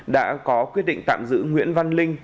đã có quyết định tạm giữ nguyễn văn linh